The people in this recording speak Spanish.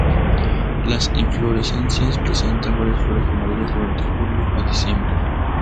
Las inflorescencias presentan varias flores amarillas durante julio a diciembre.